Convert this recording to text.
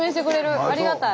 ありがたい。